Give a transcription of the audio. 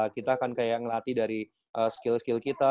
kita kan kayak ngelatih dari skill skill kita